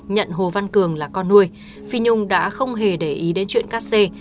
nhận hồ văn cường là con nuôi phi nhung đã không hề để ý đến chuyện cát xê